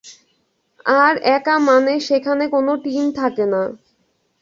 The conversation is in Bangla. আর একা মানে সেখানে কোন টিম থাকে না।